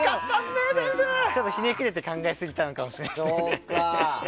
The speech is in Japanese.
ちょっとひねくれて考えすぎたのかもしれないですね。